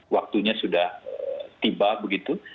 waktunya sudah tiba begitu